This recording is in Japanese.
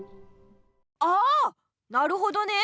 ああなるほどね！